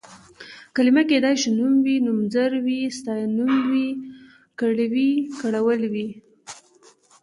کلمه کيدای شي نوم وي، نومځری وي، ستاینوم وي، کړ وي، کړول وي...